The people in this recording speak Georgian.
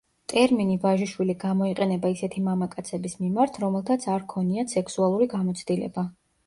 ტერმინი „ვაჟიშვილი“ გამოიყენება ისეთი მამაკაცების მიმართ, რომელთაც არ ქონიათ სექსუალური გამოცდილება.